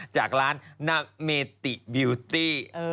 จากร้านนาเมติบิวตี้